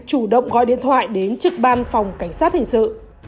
chủ động gọi điện thoại đến trực ban phòng cảnh sát hình sự